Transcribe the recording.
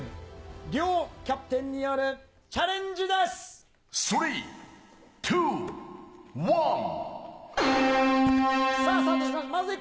両キャプテンによるチャレンジで３、２、１。